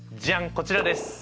こちらです。